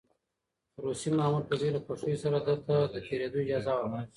روسي مامور په ډېرې خوښۍ سره ده ته د تېرېدو اجازه ورکړه.